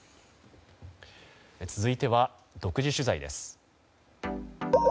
続いては、独自取材です。